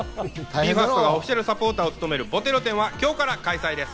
ＢＥ：ＦＩＲＳＴがオフィシャルサポーターを務めるボテロ展は今日から開催です。